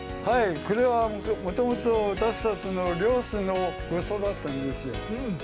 これは、もともと私たちの漁師のごちそうだったんですよ。